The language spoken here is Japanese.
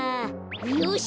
よし！